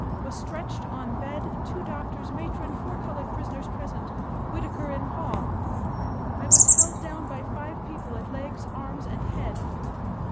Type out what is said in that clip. Was stretched on bed, two doctors, matron, four colored prisoners present, Whittaker in hall. I was held down by five people at legs, arms, and head.